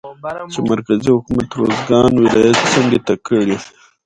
چې مرکزي حکومت روزګان ولايت څنډې ته کړى